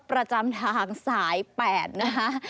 ประจำทางสาย๘นะคะ